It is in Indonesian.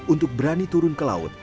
untuk berani turun ke laut